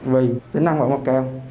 vì tính năng vật mật cao